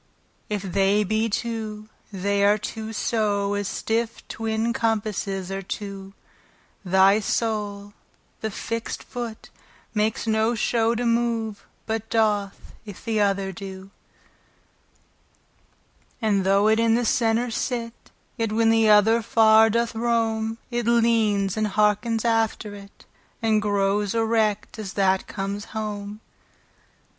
If they be two, they are two so As stiffe twin compasses are two, Thy soule the fixt foot, makes no show To move, but doth, if th' other doe. And though it in the center sit, Yet when the other far doth rome, It leanes, andhearkens after it, And growes erect, as that comes home.